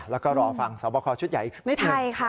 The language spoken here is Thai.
แล้วก็รอฟังสอบคอชุดใหญ่อีกสักนิดหนึ่ง